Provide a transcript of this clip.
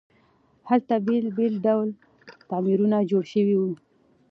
هلته بیلابیل ډوله تعمیرونه جوړ شوي وو.